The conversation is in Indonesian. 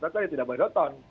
ternyata ya tidak boleh nonton